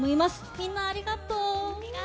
みんな、ありがとう！